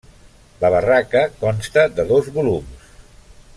La barraca consta de dos volums.